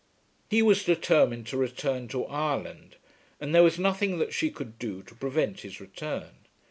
He was determined to return to Ireland, and there was nothing that she could do to prevent his return.